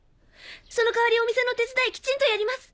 その代わりお店の手伝いきちんとやります。